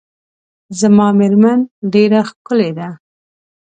زما میرمن ډیره ښکلې ده .